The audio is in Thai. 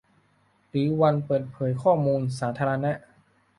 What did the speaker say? หรือวันเปิดเผยข้อมูลสาธารณะ